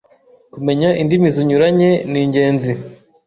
Kumenya indimi zinyuranye ni ingenzi